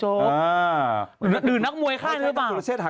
หรือนักบริกเล่งมวยฆ่าน็เข้ามา